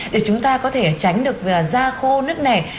để chúng ta có thể tránh được da khô nứt nẻ